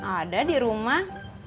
ada di rumah